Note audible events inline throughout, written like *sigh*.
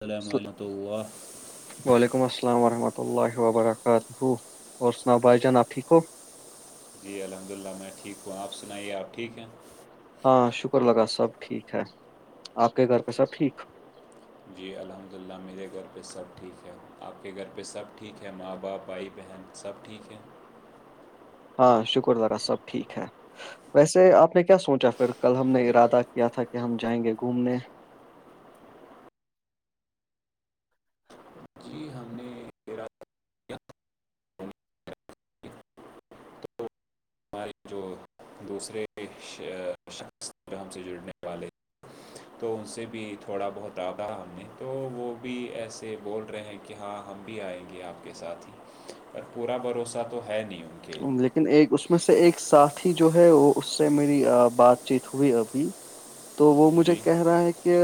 السلام السل- علمۃ اللہ وعلیکم السلام ورحمۃ اللہ وبرکاتہ اور سناؤ بھائی جان آپ ٹھیک ہو جی الحمد للہ میں ٹھیک ہوں آپ سنائیے آپ ٹھیک ہیں ہاں شکر لگا سب ٹھیک ہے آپ کے گھر پہ سب ٹھیک جی الحمد للہ میرے گھر پہ سب ٹھیک ہے آپ کے گھر پہ سب ٹھیک ہے ماں باپ بھائی بہن سب ٹھیک ہے ہاں شکر ذرا سب ٹھیک ہے ویسے آپ نے کیا سوچا پھر کل ہم نے ارادہ بالکل کیا تھا کہ کہ ہم جائیں گے گھومنے جی ہم نے ہمارے جو دوسرے شخص ہم سے جڑنے والے تو ان سے بھی تھوڑا بہت آگاہ ہم نے تو وہ بھی ایسے بول رہے ہیں کہ کہ ہاں ہم بھی آئیں گے آپ کے ساتھ ہی پر پورا بھروسہ تو ہے نہیں ان کے لیکن ایک اس میں سے ایک ساتھی جو ہے وہ اس سے میری بات چیت ہوئی ابھی تو وہ مجھے جی کہہ رہا ہے کہ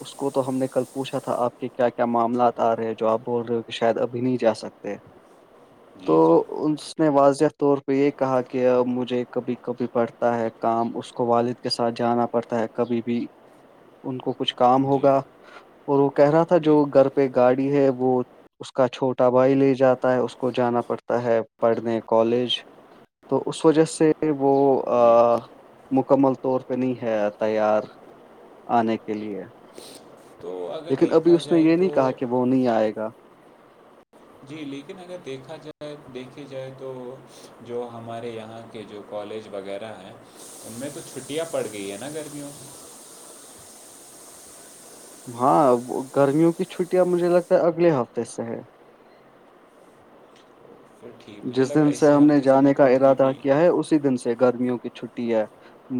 اس کو تو ہم نے کل پوچھا تھا آپ کے کیا کیا معاملات آ رہے ہیں جو آپ بول رہے ہو کہ شاید ابھی نہیں جا سکتے تو جی جی ان نے واضح طور پہ یہ کہا کہ مجھے کبھی کبھی پڑھتا ہے کام اس کو والد کے ساتھ جانا پڑتا ہے کبھی بھی ان کو کچھ کام جی ہوگا اور وہ کہہ رہا تھا جی جو گھر پہ گاڑی ہے وہ اس کا چھوٹا بھائی لے جاتا ہے اس کو جانا پڑتا ہے جی *inaudible* مکمل طور پہ نہیں ہے تیار آنے کے لیے تو اگر لیکن ابھی دیکھا اس نے جائے یہ نہیں تو کہا کہ وہ نہیں آئے گا جی لیکن اگر دیکھا جائے دیکھھی جائے تو جو ہمارے یہاں کے جو کالج وغیرہ ہیں ان میں تو چھٹیاں پڑ گئی ہیں نا گرمیوں سے ہاں گرمیوں کی چھٹیاں مجھے لگتا ہے اگلے ہفتے سے ہے پھر ٹھیک مجھے جس لگا دن سے اسی ہم نے ہفتے سے جانے مت کا ان کی ارادہ بھی کیا ہے اسی دن سے گرمیوں کی چھٹی ہے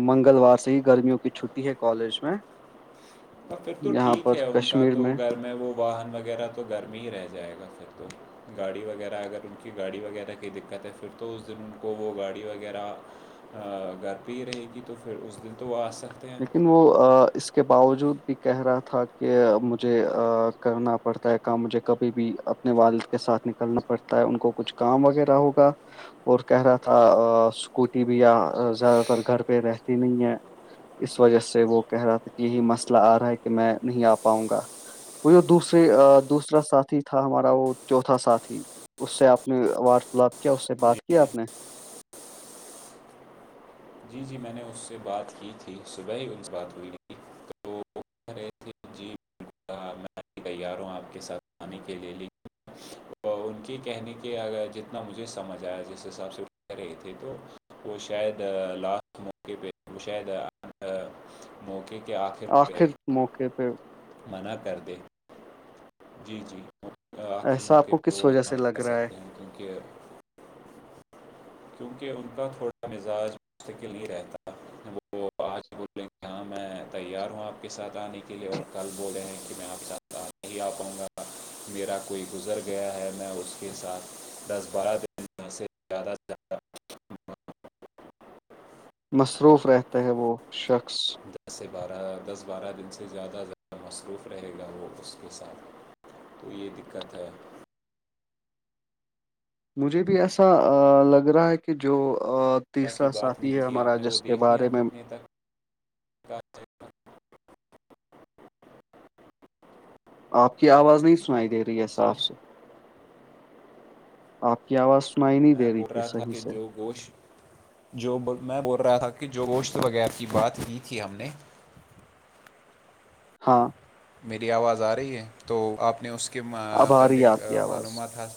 منگلوار سے ہی گرمیوں کی چھٹی ہے کالج میں ا پھر تو یہاں پر ٹھیک ہے ان کا کشمیر تو گھر میں وہ واہن وغیرہ تو گھر میں ہی رہ جائے گا پھر تو گاڑی وغیرہ اگر ان کی گاڑی وغیرہ کی دقت ہے پھر تو اس دن ان کو وہ گاڑی وغیرہ گھر پہ ہی رہے گی تو پھر اس دن تو وہ آ سک لیکن وہ اس کے باوجود بھی کہہ رہا تھا کہ مجھے کرنا پڑتا ہے کام مجھے کبھی بھی اپنے والد کے ساتھ نکلنا پڑتا ہے ان کو کچھ کام وغیرہ ہوگا اور کہہ رہا تھا اسکوٹی بھی زیادہ تر گھر پہ رہتی نہیں ہے اس وجہ سے وہ کہہ رہا تھا کہ یہی مسئلہ آ رہا ہے کہ میں نہیں آ پاؤں گا وہ جو دوسرے دوسرا ساتھی تھا ہمارا وہ چوتھا ساتھی اس سے آپ نے وارتالپ کیا اس سے جی بات کیا جی آپ نے جی جی میں نے اس سے بات کی تھی صبح ہی ان سے بات ہوئی تھی تو ایس جی میں تیار ہوں آپ کے ساتھ آانی کے لیے لیج ان کے کہنے کے اگر جتنا مجھے سمجھ آیا جس حساب سے کہہ رہے تھے تو وہ شاید لاسٹ موقعے پہ وہ شاید موقع کے آخر پ تو منع کر دے جی جی آخر ایسا آپ موقعے کو پہ کس وہ وجہ سے لگ کہہ رہا ہے سکتے ہیں کیونکہ *inaudible* کیونکہ ان کا تھوڑا مزاج مستقل ہی رہتا وہ آج بولیں کہ ہاں *inaudible* میں تیار ہوں آپ کے ساتھ آنے کے لیے اور کل بولے ہیں کہ میں آپ ساتھ نہیں آ پاؤں گا میرا کوئی گزر گیا ہے میں اس کے ساتھ دس بارہ دن میں سے زیادہ سے زیادہ مصروف رہتا ہے وہ شخص دس سے بارہ دس بارہ دن سے زیادہ زیادہ مصروف رہے گا وہ اس کے ساتھ تو یہ دقت ہے مجھے بھی ایسا لگ رہا ہے کہ جو کی تیسرا بات ساتھی نہیں ہے تھی ہمارا آپ نے وہ جس کے دیکھ لیا بارے میں کتنے تک آپ کی آواز نہیں سنائی دے رہی ہے صا جی آف سے آپ کی آواز سنائی نہیں میں دے رہی بول تھی رہا سر۔ تھا کہ جو گوشت *unintelligible* جو میں بول رہا تھا کہ جو گوشت وغیرہ کی بات کی تھی ہم نے ہاں *inaudible* میری آواز آ رہی ہے تو آپ نے اس کے اب آ رہی ہے متعلق آپ معلومات تھا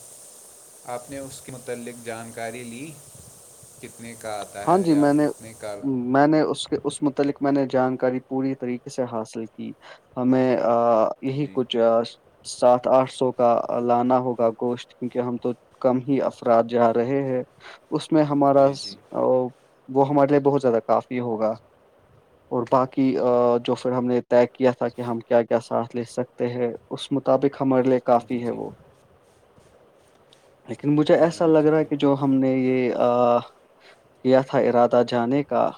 آپ نے اس کے متعلق جانکاری لی کتنے کا آتا ہاں ہے جی یا میں نے کتنے کا میں نے اس کے اس متعلق میں نے جانکاری پوری طریقے سے حاصل کی ہمیں یہی جی کچھ سات آٹھ سو کا لانا ہوگا گوشت کیونکہ ہم تو کم ہی افراد جا رہے ہیں اس میں ہمارا جی جی ا وہ ہمارے لیے بہت زیادہ کافی ہوگا *unintelligible* اور باقی جو پھر ہم نے طے کیا تھا کہ ہم کیا کیا ساتھ لے سکتے ہیں اس مطابق ہمارے لے جی کافی ہے جی وہ لیکن مجھے ایسا جی لگ رہا ہے جی کہ جو بالکل ہم نے یہ *unintelligible* کیا تھا ارادہ جانے کا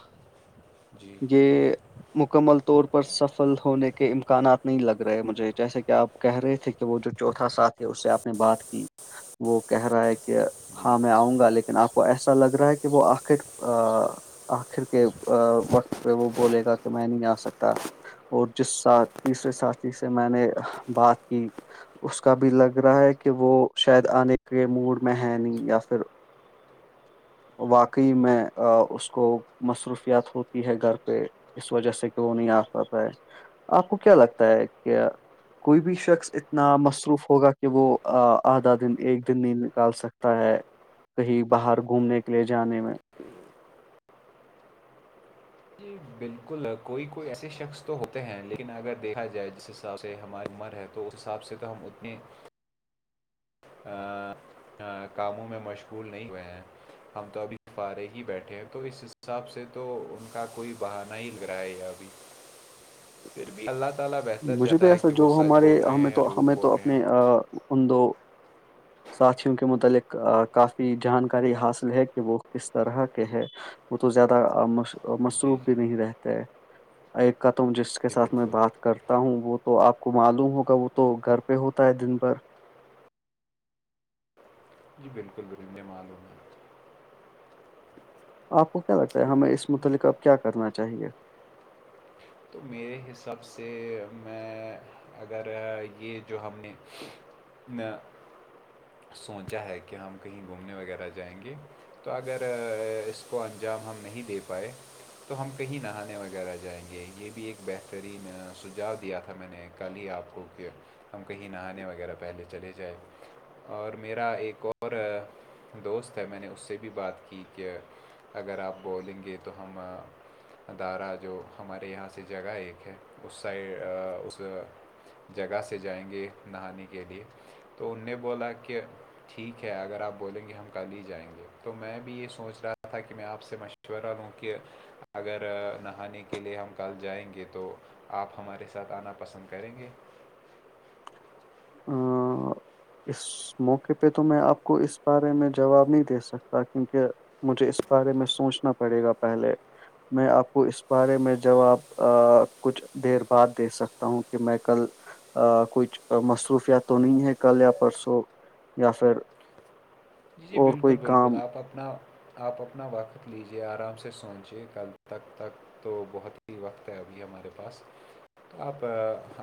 جی یہ مکمل طور پر سفل ہونے کے امکانات نہیں لگ رہے مجھے جیسے کہ آپ کہہ رہے تھے کہ وہ جو چوتھا ساتھ ہےے اس سے آپ نے بات کی وہ کہہ رہا ہے کہ جی ہاں میں آؤں گا لیکن آپ کو ایسا لگ رہا ہے کہ کہ وہ آ لٹ آخر کے وقت پہ وہ بولے گا کہ میں نہیں آ سکتا اور جس سات تیسرے ساتھی سے میں نے بات کی اس کا بھی لگ رہا ہے کہ وہ شاید آنے کے موڈ میں ہے نہیں یا پھر واقعی میں اس کو مصروفیات ہوتی ہے گھر پہ اس وجہ سے کہ وہ نہیں آ پاتا ہے آپ کو کیا لگتا ہے کہ کوئی بھی شخص اتنا مصروف ہوگا کہ وہ آدھا دن ایک دن نہیں نکال سکتا ہے کہیں باہر گھومنے کے لیے جانے میں جی بالکل کوئی کوئی ایسے شخص تو ہوتے ہیں لیکن اگر دیکھا جائے جسے حساب سے ہماری عمر ہے تو اس حساب سے تو ہم اتنے *unintelligible* کاموں میں مشغول نہیں ہوئے ہیں ہم تو ابھی فارے ہی بیٹھے ہیں تو اس حساب سے تو ان کا کوئی بہانا ہی لگ رہا ہے یہ ابھی *inaudible* پھر بھی اللہ تعی بیٹ *unintelligible* مجھے پ ایسا جو ہمارے ہمیں تو جھوٹ ہمیں بول تو رہے اپنے ہیں ان دو ساتھیوں کے متعلق کافی جانکاری حاصل ہے کہ وہ کس طرح کے ہے *unintelligible* وہ تو زیادہ مش جی مصروف جی بھی نہیں رہتے ایک کا تم جس کے جی ساتھ میں بالکل بات *unintelligible* کرتا ہوں وہ تو آپ کو معلوم ہوگا وہ تو گھر پہ ہوتا ہے دن بھر جی بالکل ب میں معلوم ہے *unintelligible* آپ کو کیا لگتا ہے ہمیں اس متعلق دیکھ اب کیا کرنا چاہیے *unintelligible* تو میرے حساب سے میں اگر یہ جو ہم نے *unintelligible* نے سوچا ہے کہ ہم کہیں گھومنے وغیرہ جائیں گے تو اگر اس کو انجام ہم نہیں دے پائے تو ہم کہیں نہانے وغیرہ جائیں گے یہ بھی ایک بہترین سجاؤ دیا تھا میں نے کل ہی آپ کو کہ ہم کہیں نہانے وغیرہ پہلے چلے جائیں اور میرا ایک اور دوست ہے میں نے اس سے بھی بات کی کہ اگر آپ بولیں گے تو ہم ادارہ جو ہمارے یہاں سے ایسی جگہ ایک ہے اس سائڈ اس جگہ سے جائیں گے نہانے کے لیے تو ان نے بولا کہ ٹھیک ہے اگر آپ بولیں گے ہم ک ہی جائیں گے تو میں بھی یہ سوچ رہا تھا کہ میں آپ سے مشورہ اگر نہانے کے لیے ہم *unintelligible* کل جائیں گے تو آپ ہمارے ساتھ آنا پسند کریں گے ا اس اس موقعے پہ تو میں آپ کو اس بارے میں جواب نہیں دے سکتا کیونکہ مجھے اس بارے میں سوچنا پڑے گا پہلے میں آپ کو اس بارے میں جب آاب کچھ دیر بعد دیکھ سکتا ہوں کہ میں کل کچھ مس صوفیہ تو نہیں ہے کل یا پرسوں یا پھر جی اور بالکل کوئی بالکل کام آپ اپنا آپ اپنا وقت لیجیے آرام سے سوچیے کل تک تک تو بہت ہی وقت ہے ابھی ہمارے پاس آپ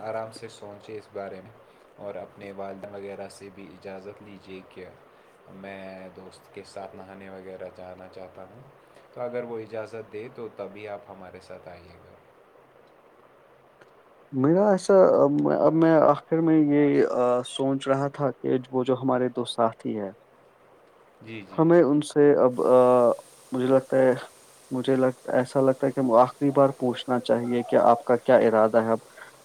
آرام سے سوچے اس بارے میں اور اپنے والدہ وغیرہ سے بھی اجازت لیجیے کیا میں دوست کے ساتھ نہانے وغیرہ جانا چاہتا ہوں تو اگر وہ اجازت دے تو تبھی آپ ہمارے ساتھ آئیے گا میرا ایسا اب میں آخر میں یہ سوچ رہا تھا یہ وہ جو ہمارے دو ساتھی ہے جی جی ہمیں ان سے اب مجھے لگتا ہے مجھے لگ ایسا لگتا ہے کہ آخری بار پوچھنا چاہیے کہ آپ کا کیا ارادہ ہے اب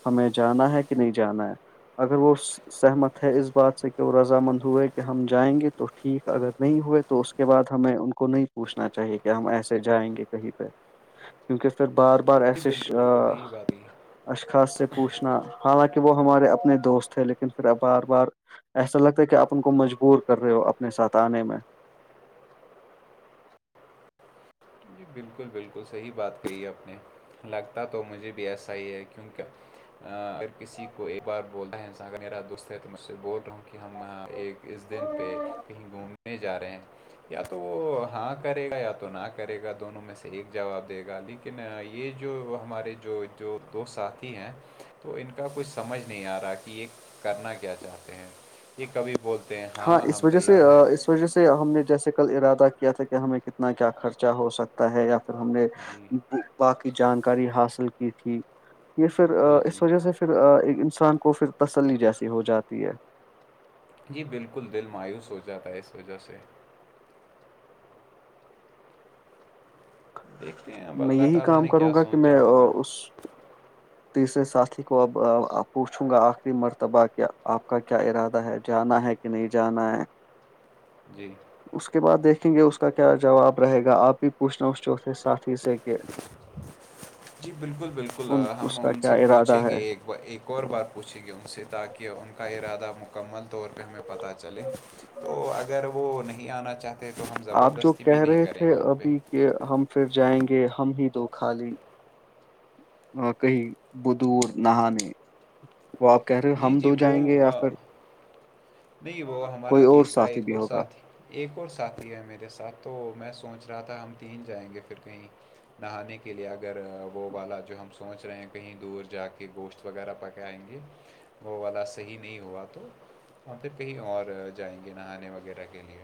ہمیں جانا ہے کہ نہیں جانا ہے اگر وہ سہمت ہے اس بات سے کہ وہ رض مند ہوئے کہ ہم جائیں گے تو ٹھیک اگر نہیں ہوئے تو اس کے بعد ہمیں ان کو نہیں پوچھنا چاہیے کہ ہم ایسے جائیں گے کہیں پہ کیونکہ پھر بار بار ای جی آش بالکل بالکل صحیح بات ہے اشخاص سے پوچھنا حالانکہ وہ ہمارے اپنے دوست تھے لیکن پھر اب بار بار ایسا لگتا ہے کہ آپ ان کو مجبور کر رہے ہو اپنے ساتھ آنے میں جی بالکل بالکل صحیح بات کہی ہے آپ نے لگتا تو مجھے بھی ایسا ہی ہے کیونکہ اگر کسی کو ایک بار بولتا ہے انسان اگر میرا دوست ہے تو میں اس سے بول رہا ہوں کہ ہم ایک اس دن پہ کہیں گھومنے جا رہے ہیں یا تو وہ ہاں کرے گا یا تو نہ کرے گا دونوں میں سے ایک جواب دے گا لیکن یہ جو ہمارے جو جو دو ساتھی ہیں تو ان کا کچھ سمجھ نہیں آ رہا کہ یہ کرنا کیا چاہتے ہیں یہ کبھی بولتے ہیں ہاں ہم تیار ہے تو جیسے ہم نے جیسے کل ارادہ کیا تھا کہ ہمیں کتنا کیا خرچہ ہو سکتا ہے یا ہم نے جی باقی جانکاری حاصل کی تھی یہ پھر جی جی اس وجہ سے پھر انسان کو پھر تسلی جیسی ہو جاتی ہے جی بالکل دل مایوس ہو جاتا ہے اس وجہ سے دیکھتے ہیں اب میں اللہ یہی تعالیٰ کام نے کروں کیا گا کہ سوچا میں ہوگا اس تیسرے ساتھی کو اب پوچھوں گا آخری مرتبہ کہ آپ کا کیا ارادہ ہے جانا ہے کہ نہیں جانا ہے جی اس کے بعد دیکھیں گے اس کا کیا جواب رہے گا آپ بھی پوچھنا اس چوتھے سٹھ جی بالکل بالکل ہم ان کیا سے ارادہ پوچھیں ہے گے ایک اور بار پوچھیں گی ان سے تاکہ ان کا ارادہ مکمل طور پہ ہمیں پتا چلے تو اگر وہ نہیں آنا چاہتے تو ہم آپ جو زبردستی بھی کہہ نہیں رہے کریں تھے گے ان پہ ابھی کہ ہم پھر جائیں گے ہم ہی دو خالی کہیں ب دور نہانے وپ جی جی وہ نہیں وہ ہمارا کوئی اور تیسرا ساتھی ایک بھی اور ہوگا سات ہی ایک اور ساتھی ہے میرے ساتھ تو میں سوچ رہا تھا ہم تین جائیں گے پھر کہیں نہانے کے لیے اگر وہ والا جو ہم سوچ رہے ح کہیں دور جا کے گوشت وغیرہ پ کے آئیں گے وہ والا صحیح نہیں ہوا تو اور پھر کہیں اور جائیں گے نہانے وغیرہ کے لیے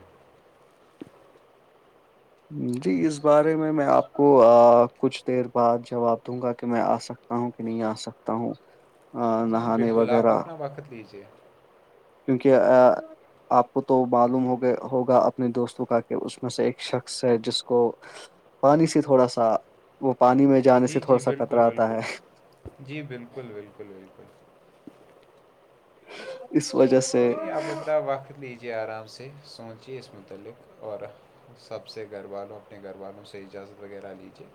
جی اس بارے میں میں آپ کو کچھ دیر بعد جواب دوں گا کہ میں آ سکتا ستا ہوں کہ نہیں آ سکتا ہوں جی جی نہانے بالکل آپ وغیرہ اپنا وقت لیجیے کیونکہ آ آپ کو تو معلوم ہوگئے ہوگا اپنے دوستوں کا کہ اس میں سے ایک شخص ہے جس کو پانی سے تھوڑا سا وہ پانی میں جانے سے جی تھوڑا جی سا بالکل کطرا آتا بالکل ہے جی بالکل بالکل بالکل ہے اس وجہ سے کوئی نہیں آپ اپنا وقت لیجیئے آرام سے سوچئے اس متعلق اور سب سے گھر والوں اپنے گھر والوں سے اجازت وغیرہ لیجیے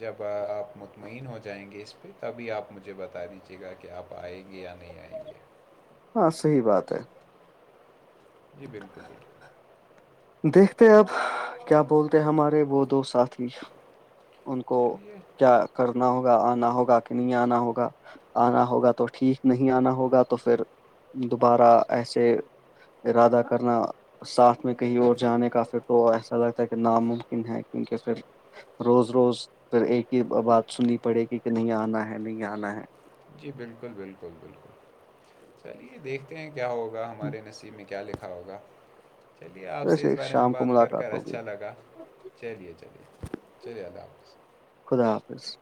جب آپ مطمئن ہو جائیں گے اس پہ تبھی آپ مجھے بتا دیجیے گا کہ آپ پائے گیا نہیںئی ہاں صحیح بات ہے جی بالکل جالل دیکھتے اب کیا بولتے ہمارے وہ دو ساتھ ان کو چلیے کیا کرنا ہوگا آنا ہوگا کہ نہیں آنا ہوگا آنا ہوگا تو ٹھیک نہیں آنا ہوگا تو پھر دوبارہ ایسے ارادہ کرنا ساتھ میں کہیں اور جانے کا پھر تو ایسا لگتا ہے کہ ناممکن ہے کیونکہ پھر روز روز پھر ایک ہی بات سننی پڑے گی کہ نہیں آنا ہے نہیں آنا ہے جی بالکل بالکل بالکل چلیے دیکھتے ہیں کیا ہوگا ہمارے نصیب میں کیا لکھا ہوگا چلیے آپ سے اس ویسے بارے میں شام کو بات کر ملاقات کر اچھا لگا چلیے چلیے چلیے اللہ حافظ خدا حافظ